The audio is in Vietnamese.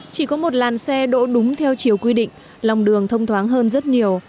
chỉ có một làn xe đỗ đúng theo chiều quy định lòng đường thông thoáng hơn rất nhiều